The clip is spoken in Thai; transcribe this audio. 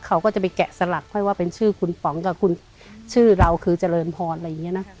เขาก็จะไปแกะสลักค่อยว่าเป็นชื่อคุณป๋องกับคุณชื่อเราคือเจริญพรอะไรอย่างนี้นะ